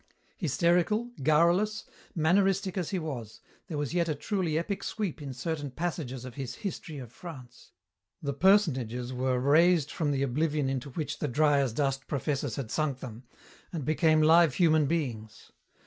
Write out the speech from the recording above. Hysterical, garrulous, manneristic as he was, there was yet a truly epic sweep in certain passages of his History of France. The personages were raised from the oblivion into which the dry as dust professors had sunk them, and became live human beings.